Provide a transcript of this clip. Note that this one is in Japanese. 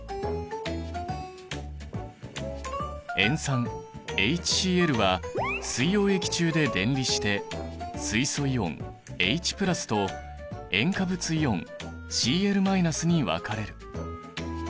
塩酸ＨＣｌは水溶液中で電離して水素イオンＨと塩化物イオンＣｌに分かれる。